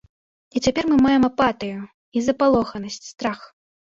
І цяпер мы маем апатыю і запалоханасць, страх.